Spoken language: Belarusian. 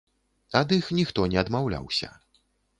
Ад іх ніхто не адмаўляўся.